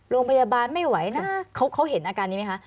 โรงพยาบาลไม่ไหวนะเขาเห็นอาการนี้ไหมคะ